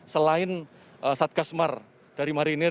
selain satgasmar dari marinir